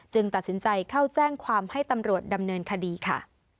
ตัดสินใจเข้าแจ้งความให้ตำรวจดำเนินคดีค่ะ